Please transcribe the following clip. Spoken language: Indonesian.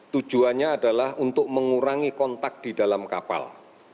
tujuannya adalah untuk mengurangi kontak di dalam kapal